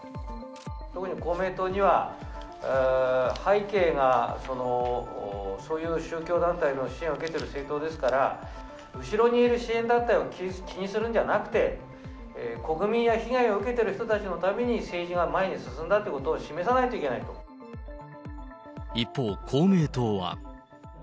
特に公明党には、背景が、そういう宗教団体の支援を受けている政党ですから、後ろにいる支援団体を気にするんじゃなくて、国民や被害を受けている人たちのために政治が前に進んだというこ一方、公明党は。